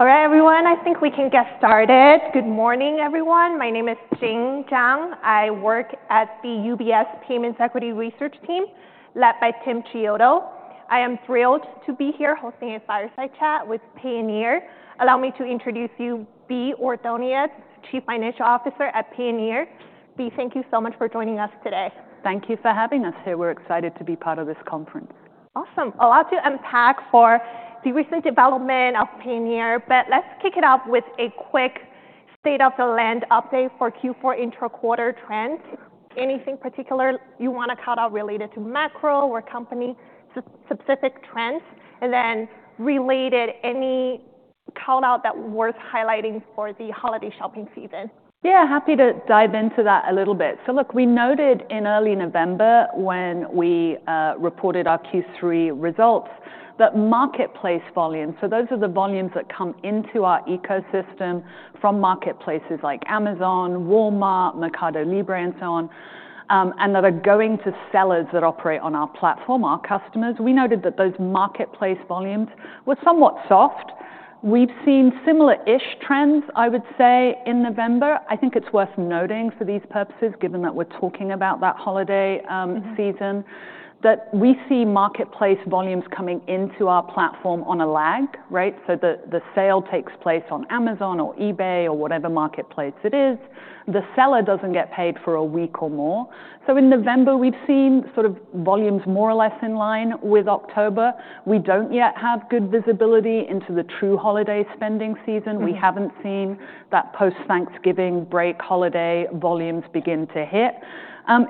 All right, everyone. I think we can get started. Good morning, everyone. My name is Jing Zhang. I work at the UBS Payments Equity Research Team led by Tim Chiodo. I am thrilled to be here hosting a fireside chat with Payoneer. Allow me to introduce you, Bea Ordonez, Chief Financial Officer at Payoneer. Bea, thank you so much for joining us today. Thank you for having us here. We're excited to be part of this conference. Awesome. A lot to unpack for the recent development of Payoneer, but let's kick it off with a quick state-of-the-land update for Q4 intra-quarter trends. Anything particular you want to call out related to macro or company-specific trends, and then related, any callout that's worth highlighting for the holiday shopping season? Yeah, happy to dive into that a little bit. So look, we noted in early November when we reported our Q3 results that marketplace volumes, so those are the volumes that come into our ecosystem from marketplaces like Amazon, Walmart, MercadoLibre, and so on and that are going to sellers that operate on our platform, our customers. We noted that those marketplace volumes were somewhat soft. We've seen similar-ish trends, I would say, in November. I think it's worth noting for these purposes, given that we're talking about that holiday season, that we see marketplace volumes coming into our platform on a lag, right? So the sale takes place on Amazon or eBay or whatever marketplace it is. The seller doesn't get paid for a week or more. So in November, we've seen sort of volumes more or less in line with October. We don't yet have good visibility into the true holiday spending season. We haven't seen that post-Thanksgiving break holiday volumes begin to hit.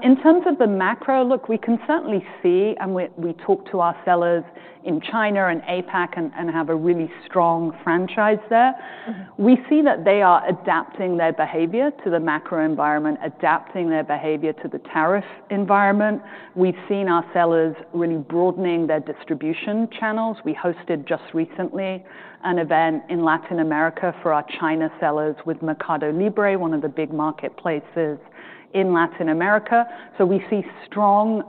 In terms of the macro, look, we can certainly see, and we talk to our sellers in China and APAC and have a really strong franchise there. We see that they are adapting their behavior to the macro environment, adapting their behavior to the tariff environment. We've seen our sellers really broadening their distribution channels. We hosted just recently an event in Latin America for our China sellers with MercadoLibre, one of the big marketplaces in Latin America. So we see strong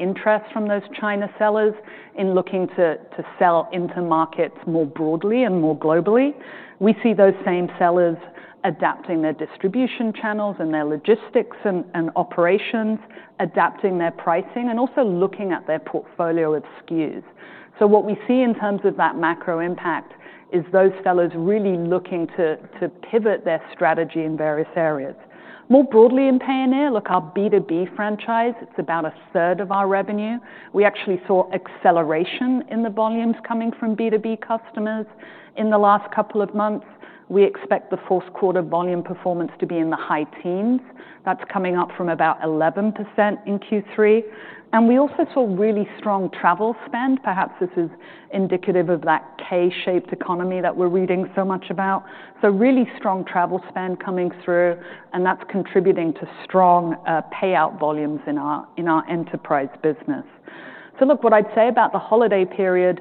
interest from those China sellers in looking to sell into markets more broadly and more globally. We see those same sellers adapting their distribution channels and their logistics and operations, adapting their pricing, and also looking at their portfolio of SKUs. So what we see in terms of that macro impact is those sellers really looking to pivot their strategy in various areas. More broadly in Payoneer, look, our B2B franchise, it's about a third of our revenue. We actually saw acceleration in the volumes coming from B2B customers in the last couple of months. We expect the fourth quarter volume performance to be in the high teens. That's coming up from about 11% in Q3. And we also saw really strong travel spend. Perhaps this is indicative of that K-shaped economy that we're reading so much about. So really strong travel spend coming through, and that's contributing to strong payout volumes in our enterprise business. So look, what I'd say about the holiday period,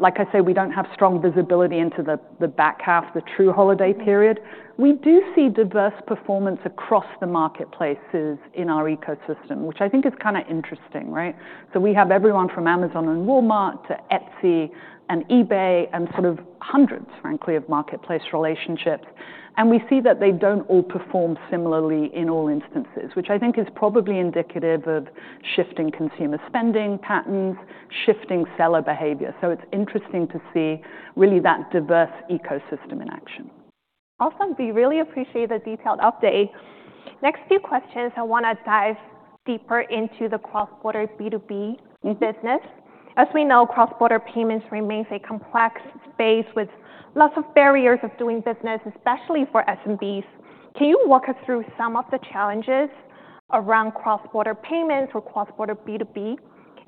like I say, we don't have strong visibility into the back half, the true holiday period. We do see diverse performance across the marketplaces in our ecosystem, which I think is kind of interesting, right? So we have everyone from Amazon and Walmart to Etsy and eBay and sort of hundreds, frankly, of marketplace relationships. And we see that they don't all perform similarly in all instances, which I think is probably indicative of shifting consumer spending patterns, shifting seller behavior. So it's interesting to see really that diverse ecosystem in action. Awesome. We really appreciate the detailed update. Next few questions, I want to dive deeper into the cross-border B2B business. As we know, cross-border payments remains a complex space with lots of barriers of doing business, especially for SMBs. Can you walk us through some of the challenges around cross-border payments or cross-border B2B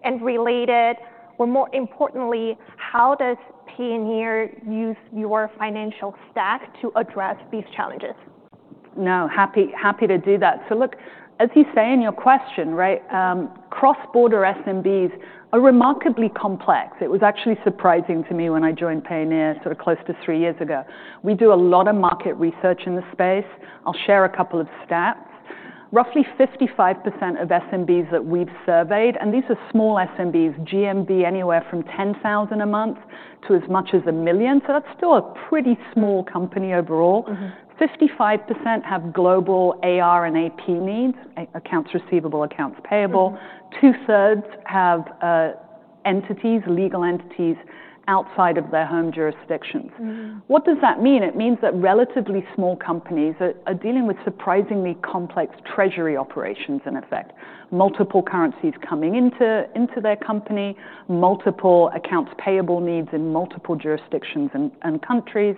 and related, or more importantly, how does Payoneer use your financial stack to address these challenges? No, happy to do that. So look, as you say in your question, right, cross-border SMBs are remarkably complex. It was actually surprising to me when I joined Payoneer sort of close to three years ago. We do a lot of market research in the space. I'll share a couple of stats. Roughly 55% of SMBs that we've surveyed, and these are small SMBs, GMV anywhere from $10,000 a month to as much as $1 million. So that's still a pretty small company overall. 55% have global AR and AP needs, accounts receivable, accounts payable. Two-thirds have entities, legal entities outside of their home jurisdictions. What does that mean? It means that relatively small companies are dealing with surprisingly complex treasury operations in effect, multiple currencies coming into their company, multiple accounts payable needs in multiple jurisdictions and countries.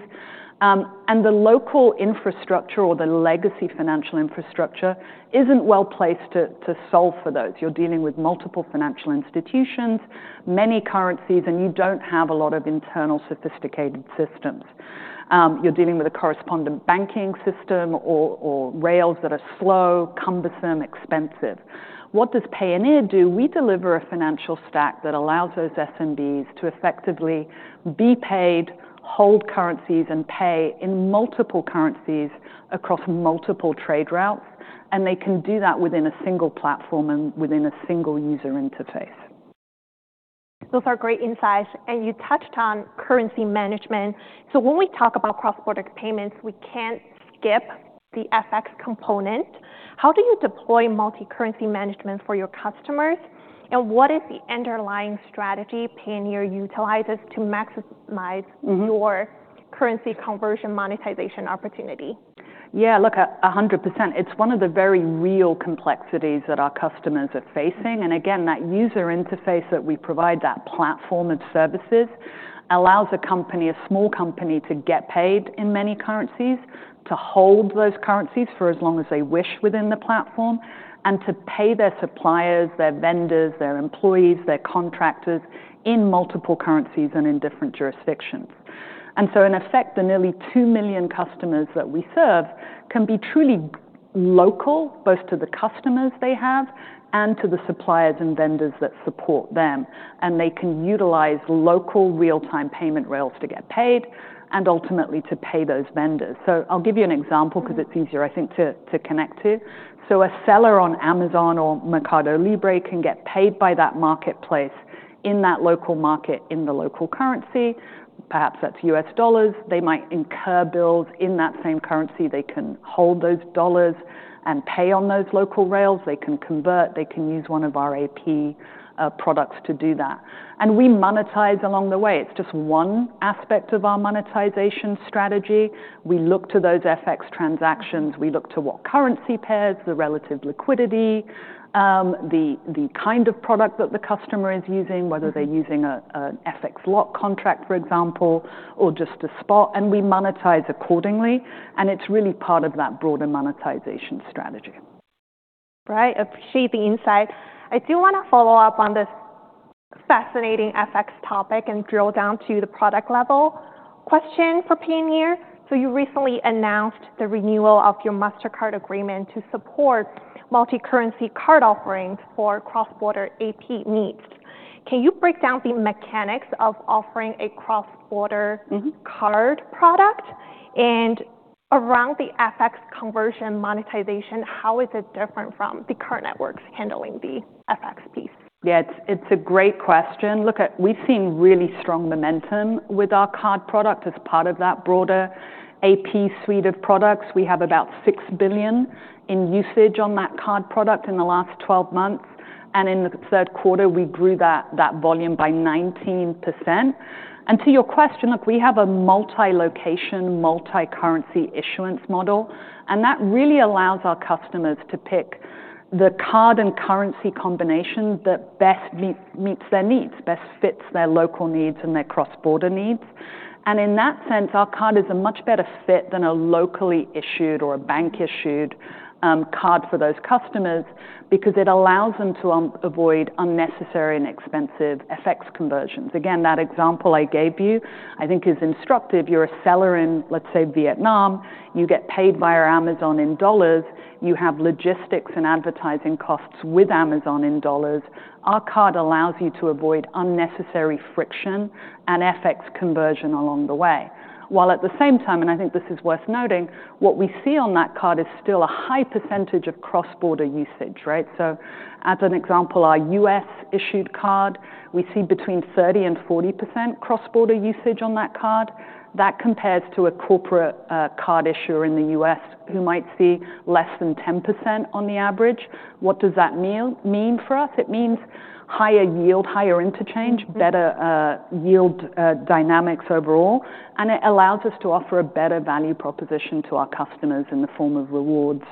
The local infrastructure or the legacy financial infrastructure isn't well placed to solve for those. You're dealing with multiple financial institutions, many currencies, and you don't have a lot of internal sophisticated systems. You're dealing with a correspondent banking system or rails that are slow, cumbersome, expensive. What does Payoneer do? We deliver a financial stack that allows those SMBs to effectively be paid, hold currencies, and pay in multiple currencies across multiple trade routes. They can do that within a single platform and within a single user interface. Those are great insights. And you touched on currency management. So when we talk about cross-border payments, we can't skip the FX component. How do you deploy multi-currency management for your customers? And what is the underlying strategy Payoneer utilizes to maximize your currency conversion monetization opportunity? Yeah, look, 100%. It's one of the very real complexities that our customers are facing. And again, that user interface that we provide, that platform of services, allows a company, a small company, to get paid in many currencies, to hold those currencies for as long as they wish within the platform, and to pay their suppliers, their vendors, their employees, their contractors in multiple currencies and in different jurisdictions. And so in effect, the nearly two million customers that we serve can be truly local both to the customers they have and to the suppliers and vendors that support them. And they can utilize local real-time payment rails to get paid and ultimately to pay those vendors. So I'll give you an example because it's easier, I think, to connect to. So a seller on Amazon or MercadoLibre can get paid by that marketplace in that local market in the local currency. Perhaps that's U.S. dollars. They might incur bills in that same currency. They can hold those dollars and pay on those local rails. They can convert. They can use one of our AP products to do that. And we monetize along the way. It's just one aspect of our monetization strategy. We look to those FX transactions. We look to what currency pairs, the relative liquidity, the kind of product that the customer is using, whether they're using an FX lot contract, for example, or just a spot. And we monetize accordingly. And it's really part of that broader monetization strategy. Right. Appreciate the insight. I do want to follow up on this fascinating FX topic and drill down to the product level question for Payoneer. So you recently announced the renewal of your Mastercard agreement to support multi-currency card offerings for cross-border AP needs. Can you break down the mechanics of offering a cross-border card product? And around the FX conversion monetization, how is it different from the current networks handling the FX piece? Yeah, it's a great question. Look, we've seen really strong momentum with our card product as part of that broader AP suite of products. We have about $6 billion in usage on that card product in the last 12 months. And in the third quarter, we grew that volume by 19%. And to your question, look, we have a multi-location, multi-currency issuance model. And that really allows our customers to pick the card and currency combination that best meets their needs, best fits their local needs and their cross-border needs. And in that sense, our card is a much better fit than a locally issued or a bank-issued card for those customers because it allows them to avoid unnecessary and expensive FX conversions. Again, that example I gave you, I think, is instructive. You're a seller in, let's say, Vietnam. You get paid via Amazon in dollars. You have logistics and advertising costs with Amazon in dollars. Our card allows you to avoid unnecessary friction and FX conversion along the way. While at the same time, and I think this is worth noting, what we see on that card is still a high percentage of cross-border usage, right? So as an example, our U.S.-issued card, we see between 30% and 40% cross-border usage on that card. That compares to a corporate card issuer in the U.S. who might see less than 10% on the average. What does that mean for us? It means higher yield, higher interchange, better yield dynamics overall. And it allows us to offer a better value proposition to our customers in the form of rewards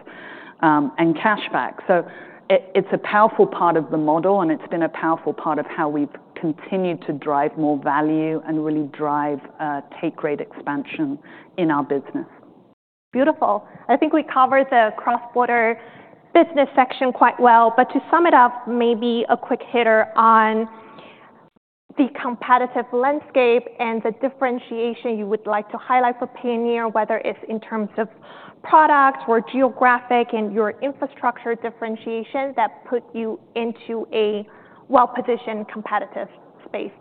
and cashback. So it's a powerful part of the model, and it's been a powerful part of how we've continued to drive more value and really drive take-rate expansion in our business. Beautiful. I think we covered the cross-border business section quite well. But to sum it up, maybe a quick hitter on the competitive landscape and the differentiation you would like to highlight for Payoneer, whether it's in terms of products or geographic and your infrastructure differentiation that put you into a well-positioned competitive space.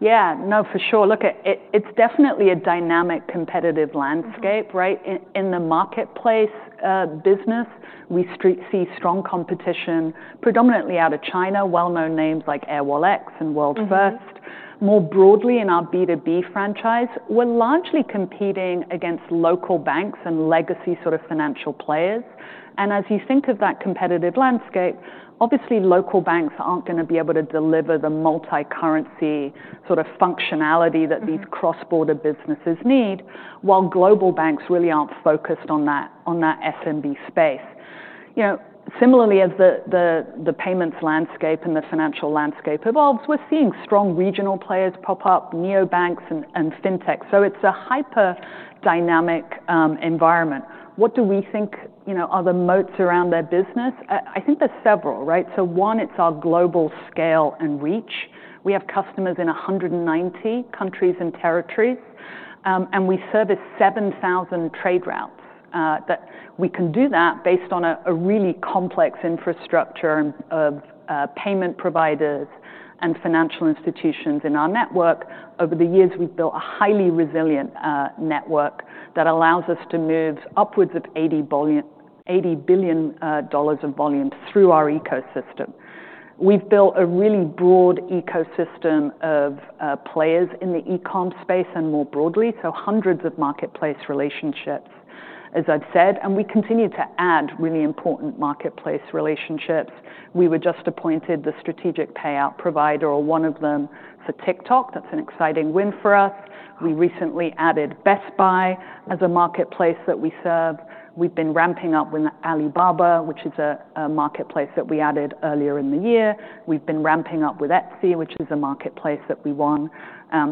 Yeah, no, for sure. Look, it's definitely a dynamic competitive landscape, right? In the marketplace business, we see strong competition predominantly out of China, well-known names like Airwallex and WorldFirst. More broadly in our B2B franchise, we're largely competing against local banks and legacy sort of financial players. And as you think of that competitive landscape, obviously local banks aren't going to be able to deliver the multi-currency sort of functionality that these cross-border businesses need, while global banks really aren't focused on that SMB space. Similarly, as the payments landscape and the financial landscape evolves, we're seeing strong regional players pop up, neobanks and fintechs. So it's a hyper-dynamic environment. What do we think are the moats around their business? I think there's several, right? So one, it's our global scale and reach. We have customers in 190 countries and territories. And we service 7,000 trade routes. We can do that based on a really complex infrastructure of payment providers and financial institutions in our network. Over the years, we've built a highly resilient network that allows us to move upwards of $80 billion of volume through our ecosystem. We've built a really broad ecosystem of players in the e-com space and more broadly, so hundreds of marketplace relationships, as I've said. We continue to add really important marketplace relationships. We were just appointed the strategic payout provider or one of them for TikTok. That's an exciting win for us. We recently added Best Buy as a marketplace that we serve. We've been ramping up with Alibaba, which is a marketplace that we added earlier in the year. We've been ramping up with Etsy, which is a marketplace that we won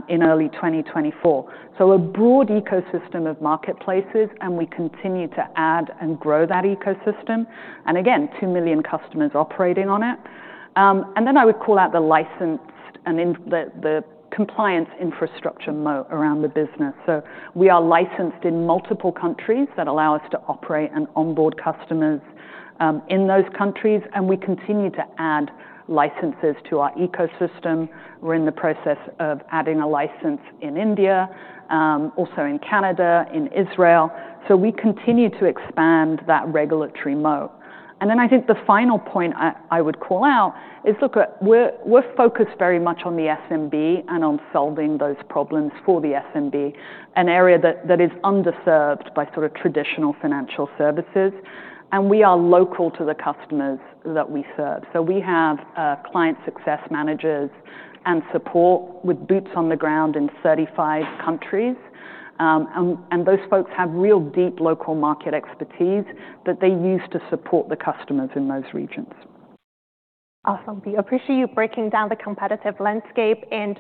in early 2024. So a broad ecosystem of marketplaces, and we continue to add and grow that ecosystem. And again, two million customers operating on it. And then I would call out the licensed and the compliance infrastructure moat around the business. So we are licensed in multiple countries that allow us to operate and onboard customers in those countries. And we continue to add licenses to our ecosystem. We're in the process of adding a license in India, also in Canada, in Israel. So we continue to expand that regulatory moat. And then I think the final point I would call out is, look, we're focused very much on the SMB and on solving those problems for the SMB, an area that is underserved by sort of traditional financial services. And we are local to the customers that we serve. We have client success managers and support with boots on the ground in 35 countries. Those folks have real deep local market expertise that they use to support the customers in those regions. Awesome. We appreciate you breaking down the competitive landscape. And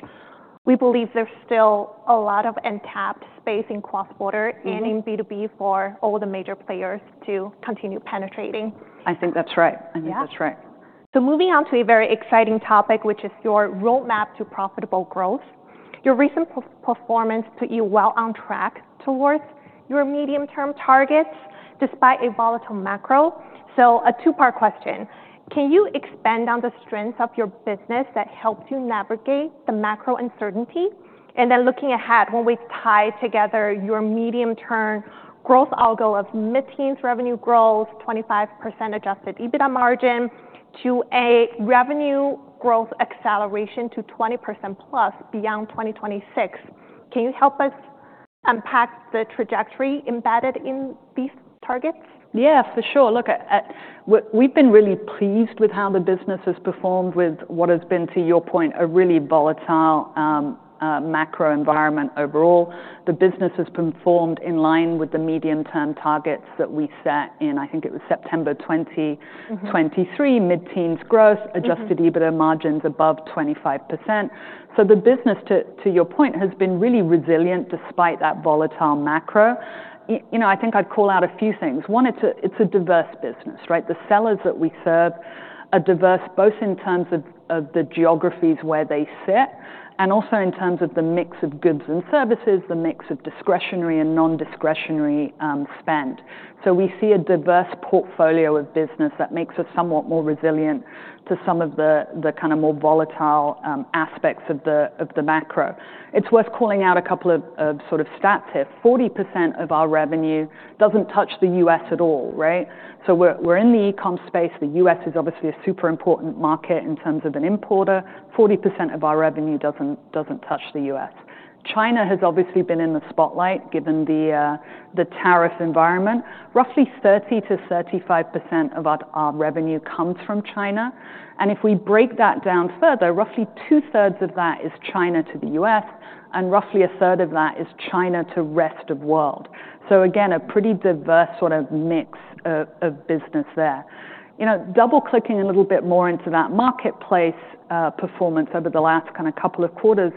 we believe there's still a lot of untapped space in cross-border and in B2B for all the major players to continue penetrating. I think that's right. So moving on to a very exciting topic, which is your roadmap to profitable growth. Your recent performance put you well on track towards your medium-term targets despite a volatile macro. So a two-part question. Can you expand on the strengths of your business that helped you navigate the macro uncertainty? And then looking ahead, when we tie together your medium-term growth algo of mid-teens revenue growth, 25% Adjusted EBITDA margin to a revenue growth acceleration to 20% plus beyond 2026, can you help us unpack the trajectory embedded in these targets? Yeah, for sure. Look, we've been really pleased with how the business has performed with what has been, to your point, a really volatile macro environment overall. The business has performed in line with the medium-term targets that we set in, I think it was September 2023, mid-teens growth, Adjusted EBITDA margins above 25%. So the business, to your point, has been really resilient despite that volatile macro. You know, I think I'd call out a few things. One, it's a diverse business, right? The sellers that we serve are diverse both in terms of the geographies where they sit and also in terms of the mix of goods and services, the mix of discretionary and non-discretionary spend. So we see a diverse portfolio of business that makes us somewhat more resilient to some of the kind of more volatile aspects of the macro. It's worth calling out a couple of sort of stats here. 40% of our revenue doesn't touch the U.S. at all, right? So we're in the e-com space. The U.S. is obviously a super important market in terms of an importer. 40% of our revenue doesn't touch the U.S. China has obviously been in the spotlight given the tariff environment. Roughly 30%-35% of our revenue comes from China. And if we break that down further, roughly two-thirds of that is China to the U.S., and roughly a third of that is China to rest of world. So again, a pretty diverse sort of mix of business there. You know, double-clicking a little bit more into that marketplace performance over the last kind of couple of quarters,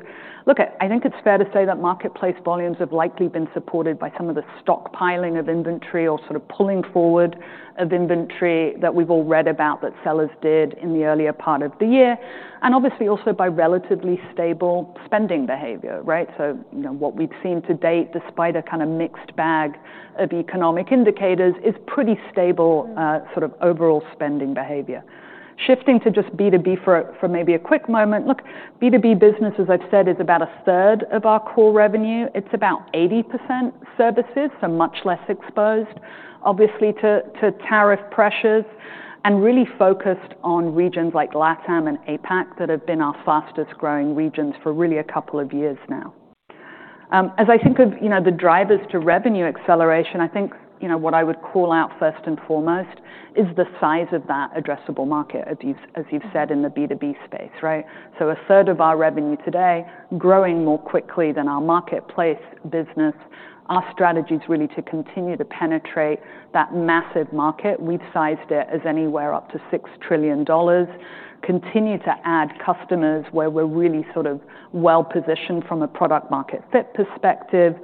look, I think it's fair to say that marketplace volumes have likely been supported by some of the stockpiling of inventory or sort of pulling forward of inventory that we've all read about that sellers did in the earlier part of the year, and obviously also by relatively stable spending behavior, right? So what we've seen to date, despite a kind of mixed bag of economic indicators, is pretty stable sort of overall spending behavior. Shifting to just B2B for maybe a quick moment. Look, B2B business, as I've said, is about a third of our core revenue. It's about 80% services, so much less exposed, obviously, to tariff pressures and really focused on regions like LATAM and APAC that have been our fastest growing regions for really a couple of years now. As I think of the drivers to revenue acceleration, I think what I would call out first and foremost is the size of that addressable market, as you've said, in the B2B space, right? So a third of our revenue today growing more quickly than our marketplace business. Our strategy is really to continue to penetrate that massive market. We've sized it as anywhere up to $6 trillion, continue to add customers where we're really sort of well-positioned from a product-market fit perspective,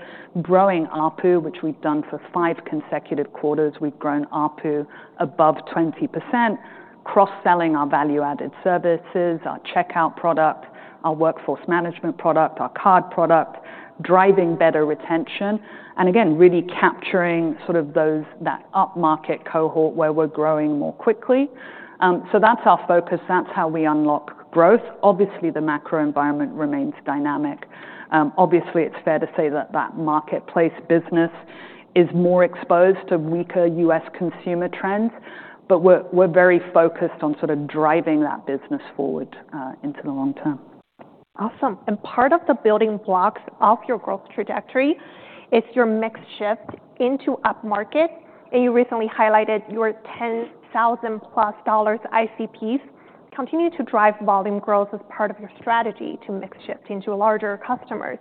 growing ARPU, which we've done for five consecutive quarters. We've grown ARPU above 20%, cross-selling our value-added services, our checkout product, our workforce management product, our card product, driving better retention, and again, really capturing sort of that upmarket cohort where we're growing more quickly. So that's our focus. That's how we unlock growth. Obviously, the macro environment remains dynamic. Obviously, it's fair to say that that marketplace business is more exposed to weaker U.S. consumer trends, but we're very focused on sort of driving that business forward into the long term. Awesome. And part of the building blocks of your growth trajectory is your mix shift into upmarket. And you recently highlighted your $10,000-plus ICPs continue to drive volume growth as part of your strategy to mix shift into larger customers.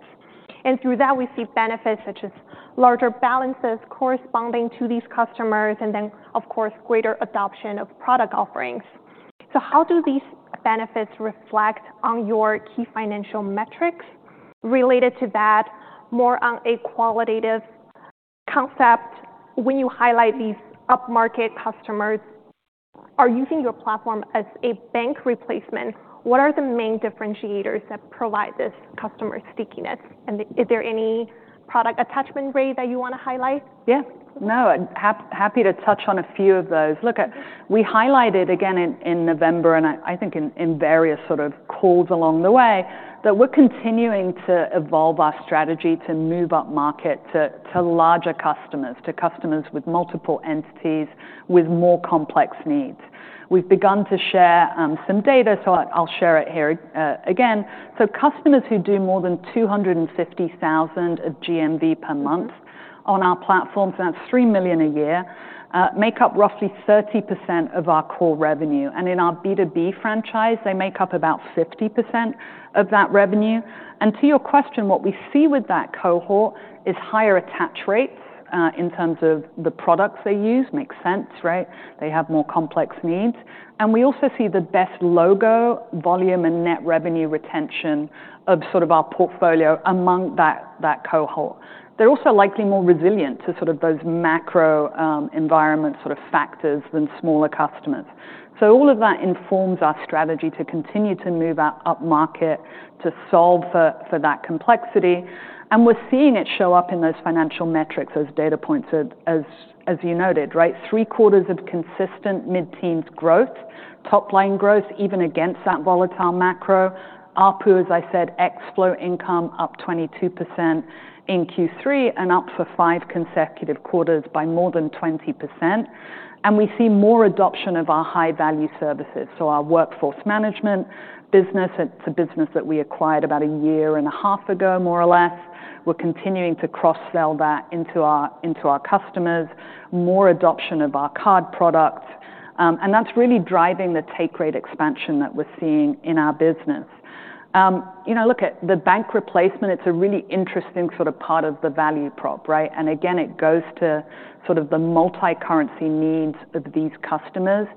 And through that, we see benefits such as larger balances corresponding to these customers and then, of course, greater adoption of product offerings. So how do these benefits reflect on your key financial metrics? Related to that, more on a qualitative concept, when you highlight these upmarket customers are using your platform as a bank replacement, what are the main differentiators that provide this customer stickiness? And is there any product attachment rate that you want to highlight? Yeah. No, happy to touch on a few of those. Look, we highlighted again in November, and I think in various sort of calls along the way, that we're continuing to evolve our strategy to move upmarket to larger customers, to customers with multiple entities, with more complex needs. We've begun to share some data, so I'll share it here again. So customers who do more than 250,000 of GMV per month on our platforms, that's 3 million a year, make up roughly 30% of our core revenue. And in our B2B franchise, they make up about 50% of that revenue. And to your question, what we see with that cohort is higher attach rates in terms of the products they use. Makes sense, right? They have more complex needs. And we also see the best logo, volume, and net revenue retention of sort of our portfolio among that cohort. They're also likely more resilient to sort of those macro environment sort of factors than smaller customers. So all of that informs our strategy to continue to move upmarket to solve for that complexity. And we're seeing it show up in those financial metrics as data points, as you noted, right? Three-quarters of consistent mid-teens growth, top-line growth, even against that volatile macro. ARPU, as I said, ex-flow income up 22% in Q3 and up for five consecutive quarters by more than 20%. And we see more adoption of our high-value services. So our workforce management business, it's a business that we acquired about a year and a half ago, more or less. We're continuing to cross-sell that into our customers, more adoption of our card products. And that's really driving the take-rate expansion that we're seeing in our business. You know, look, the bank replacement, it's a really interesting sort of part of the value prop, right? And again, it goes to sort of the multi-currency needs of these customers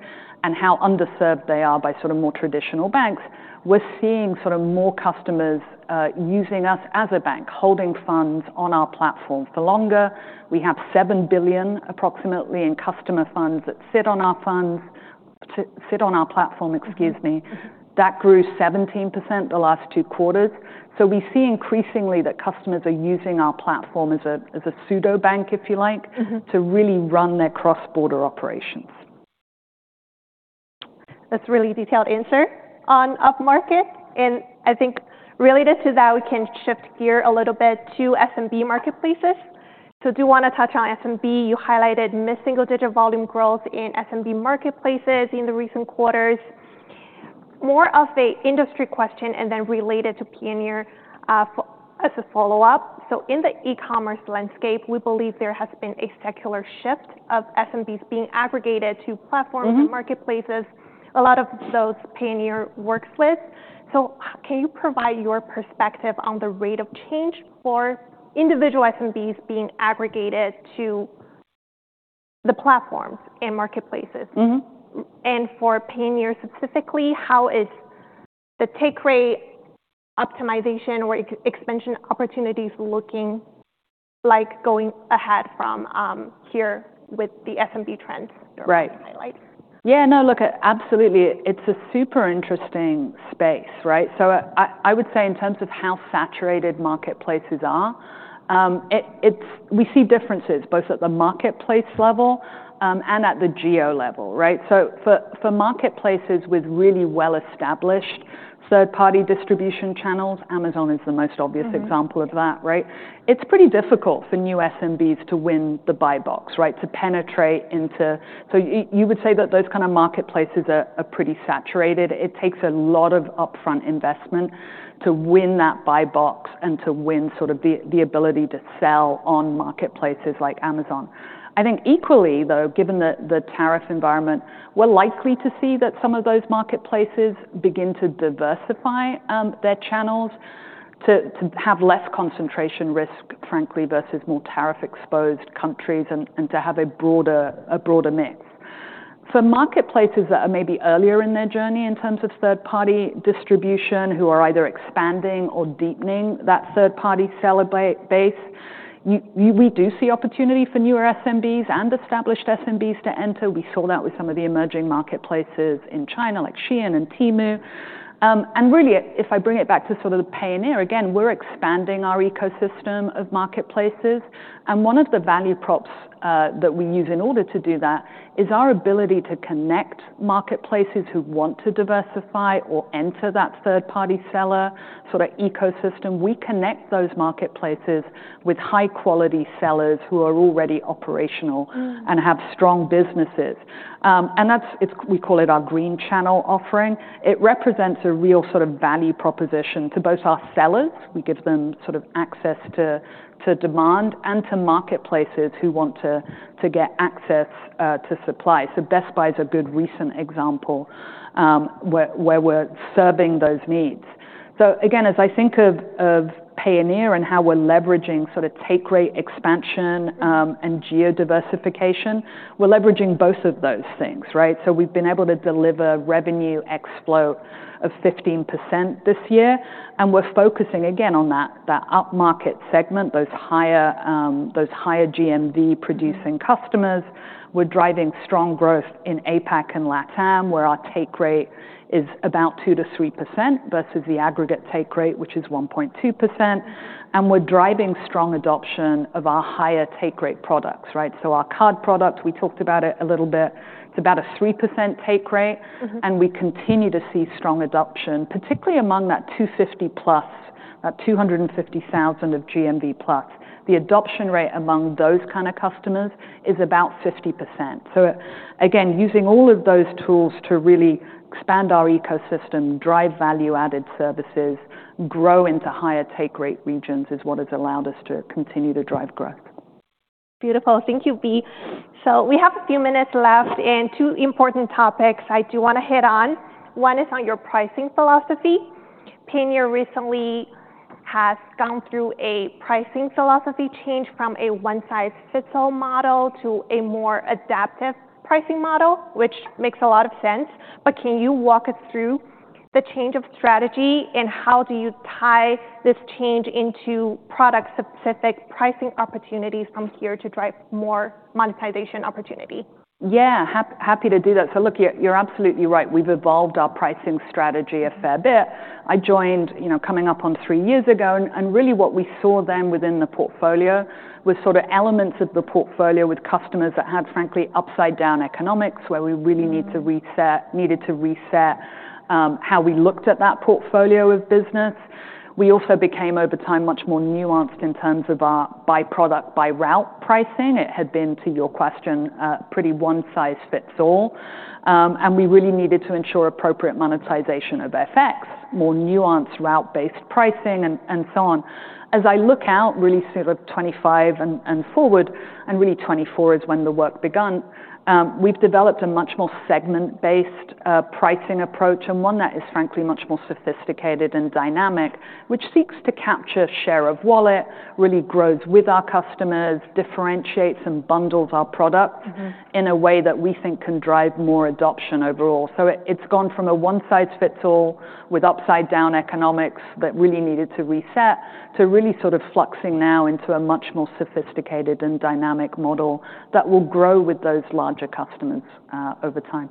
and how underserved they are by sort of more traditional banks. We're seeing sort of more customers using us as a bank, holding funds on our platform for longer. We have $7 billion approximately in customer funds that sit on our platform, excuse me. That grew 17% the last two quarters. So we see increasingly that customers are using our platform as a pseudo-bank, if you like, to really run their cross-border operations. That's a really detailed answer on upmarket. And I think related to that, we can shift gear a little bit to SMB marketplaces. So do you want to touch on SMB? You highlighted missing a digital volume growth in SMB marketplaces in the recent quarters. More of an industry question and then related to Payoneer as a follow-up. So in the e-commerce landscape, we believe there has been a secular shift of SMBs being aggregated to platforms and marketplaces, a lot of those Payoneer works with. So can you provide your perspective on the rate of change for individual SMBs being aggregated to the platforms and marketplaces? And for Payoneer specifically, how is the take-rate optimization or expansion opportunities looking like going ahead from here with the SMB trends? Right. Yeah, no, look, absolutely. It's a super interesting space, right? So I would say in terms of how saturated marketplaces are, we see differences both at the marketplace level and at the geo level, right? So for marketplaces with really well-established third-party distribution channels, Amazon is the most obvious example of that, right? It's pretty difficult for new SMBs to win the Buy Box, right, to penetrate into. So you would say that those kind of marketplaces are pretty saturated. It takes a lot of upfront investment to win that Buy Box and to win sort of the ability to sell on marketplaces like Amazon. I think equally, though, given the tariff environment, we're likely to see that some of those marketplaces begin to diversify their channels to have less concentration risk, frankly, versus more tariff-exposed countries and to have a broader mix. For marketplaces that are maybe earlier in their journey in terms of third-party distribution, who are either expanding or deepening that third-party seller base, we do see opportunity for newer SMBs and established SMBs to enter. We saw that with some of the emerging marketplaces in China like Shein and Temu. And really, if I bring it back to sort of the Payoneer, again, we're expanding our ecosystem of marketplaces. And one of the value props that we use in order to do that is our ability to connect marketplaces who want to diversify or enter that third-party seller sort of ecosystem. We connect those marketplaces with high-quality sellers who are already operational and have strong businesses. And we call it our Green Channel offering. It represents a real sort of value proposition to both our sellers. We give them sort of access to demand and to marketplaces who want to get access to supply. So Best Buy is a good recent example where we're serving those needs. So again, as I think of Payoneer and how we're leveraging sort of take-rate expansion and geo-diversification, we're leveraging both of those things, right? So we've been able to deliver revenue growth of 15% this year. And we're focusing again on that upmarket segment, those higher GMV-producing customers. We're driving strong growth in APAC and LATAM, where our take-rate is about 2%-3% versus the aggregate take-rate, which is 1.2%. And we're driving strong adoption of our higher take-rate products, right? So our card products, we talked about it a little bit. It's about a 3% take-rate. And we continue to see strong adoption, particularly among that 250-plus, that $250,000 of GMV-plus. The adoption rate among those kind of customers is about 50%. So again, using all of those tools to really expand our ecosystem, drive value-added services, grow into higher take-rate regions is what has allowed us to continue to drive growth. Beautiful. Thank you, Bea. So we have a few minutes left and two important topics I do want to hit on. One is on your pricing philosophy. Payoneer recently has gone through a pricing philosophy change from a one-size-fits-all model to a more adaptive pricing model, which makes a lot of sense. But can you walk us through the change of strategy and how do you tie this change into product-specific pricing opportunities from here to drive more monetization opportunity? Yeah, happy to do that. So look, you're absolutely right. We've evolved our pricing strategy a fair bit. I joined coming up on three years ago. And really what we saw then within the portfolio was sort of elements of the portfolio with customers that had, frankly, upside-down economics where we really needed to reset how we looked at that portfolio of business. We also became, over time, much more nuanced in terms of our by-product, by-route pricing. It had been, to your question, pretty one-size-fits-all. And we really needed to ensure appropriate monetization of FX, more nuanced route-based pricing, and so on. As I look out really sort of 2025 and forward, and really 2024 is when the work began, we've developed a much more segment-based pricing approach and one that is, frankly, much more sophisticated and dynamic, which seeks to capture share of wallet, really grows with our customers, differentiates and bundles our products in a way that we think can drive more adoption overall. So it's gone from a one-size-fits-all with upside-down economics that really needed to reset to really sort of fluxing now into a much more sophisticated and dynamic model that will grow with those larger customers over time.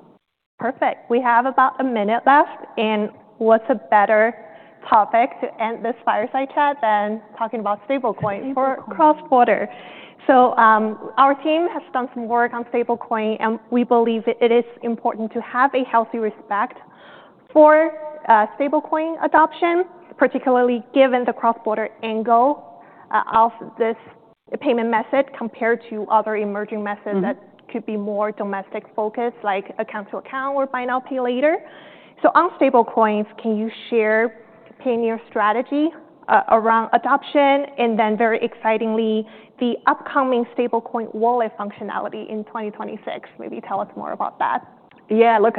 Perfect. We have about a minute left and what's a better topic to end this fireside chat than talking about stablecoin for cross-border? Our team has done some work on stablecoin, and we believe it is important to have a healthy respect for stablecoin adoption, particularly given the cross-border angle of this payment method compared to other emerging methods that could be more domestic focused, like account-to-account or buy now, pay later. On stablecoins, can you share Payoneer's strategy around adoption and then very excitingly, the upcoming stablecoin wallet functionality in 2026? Maybe tell us more about that. Yeah, look,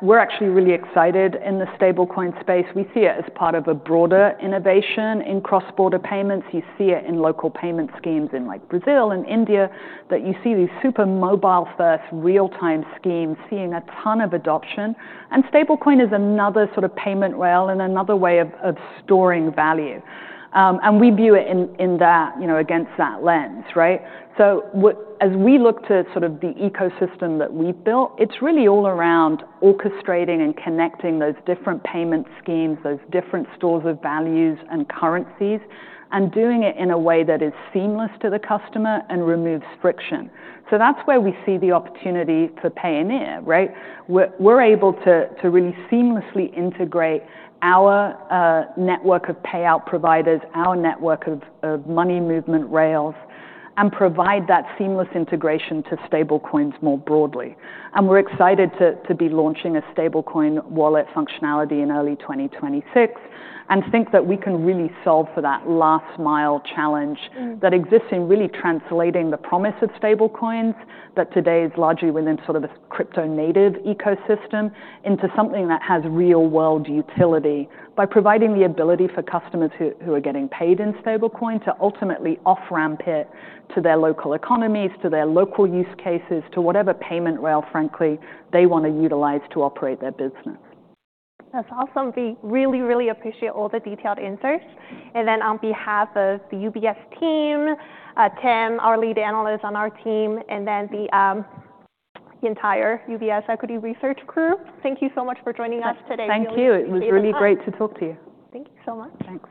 we're actually really excited in the stablecoin space. We see it as part of a broader innovation in cross-border payments. You see it in local payment schemes in Brazil and India that you see these super mobile-first real-time schemes, seeing a ton of adoption, and stablecoin is another sort of payment rail and another way of storing value, and we view it against that lens, right, so as we look to sort of the ecosystem that we've built, it's really all around orchestrating and connecting those different payment schemes, those different stores of values and currencies, and doing it in a way that is seamless to the customer and removes friction, so that's where we see the opportunity for Payoneer, right, we're able to really seamlessly integrate our network of payout providers, our network of money movement rails, and provide that seamless integration to stablecoins more broadly. We're excited to be launching a stablecoin wallet functionality in early 2026 and think that we can really solve for that last-mile challenge that exists in really translating the promise of stablecoins that today is largely within sort of a crypto-native ecosystem into something that has real-world utility by providing the ability for customers who are getting paid in stablecoin to ultimately off-ramp it to their local economies, to their local use cases, to whatever payment rail, frankly, they want to utilize to operate their business. That's awesome. We really, really appreciate all the detailed insights. And then on behalf of the UBS team, Tim, our lead analyst on our team, and then the entire UBS Equity Research crew, thank you so much for joining us today. Thank you. It was really great to talk to you. Thank you so much.